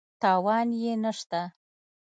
تاوان یې نه شته.